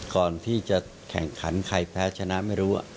ก่อนที่จะแข่งขันใครแพ้ชนะไม่รู้